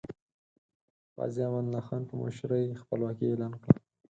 غازی امان الله خان په مشرۍ خپلواکي اعلان کړه.